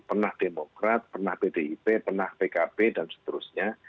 pernah demokrat pernah pdip pernah pkb dan seterusnya